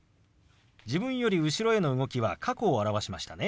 自分より後ろへの動きは過去を表しましたね。